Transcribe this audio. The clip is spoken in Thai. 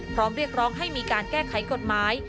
เรียกร้องให้มีการแก้ไขกฎหมาย